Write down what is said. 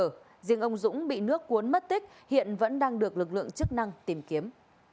riêng ông dũng bị nước cuốn mất tích hiện vẫn đang được lực lượng chức năng tìm kiếm